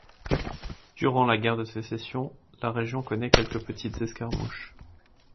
Durant la guerre de Sécession, la région connaît quelques petites escarmouches.